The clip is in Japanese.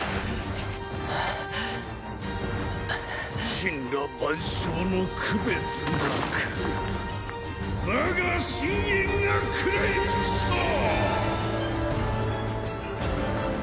森羅万象の区別なく我が深淵が食らい尽くそう！